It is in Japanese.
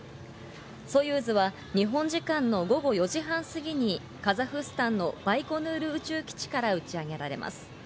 ソユーズは日本時間の午後４時半過ぎにカザフスタンのバイコヌール宇宙基地から打ち上げられます。